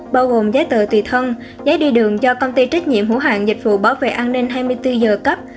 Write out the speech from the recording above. bao gồm giấy tờ tùy thân giấy đi đường do công ty trách nhiệm hữu hạng dịch vụ bảo vệ an ninh hai mươi bốn h cấp